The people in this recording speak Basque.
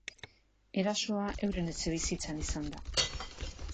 Erasoa euren etxebizitzan izan da.